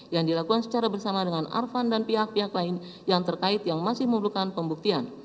yang dilakukan secara bersama dengan arvan dan pihak pihak lain yang terkait yang masih memerlukan pembuktian